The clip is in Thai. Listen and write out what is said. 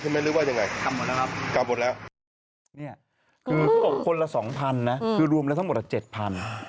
ประมาณคนละ๒๐๐๐คือรวมทั้งหมดละ๗๐๐๐